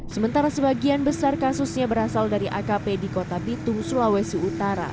sementara sebagian besar kasusnya berasal dari akp di kota bitung sulawesi utara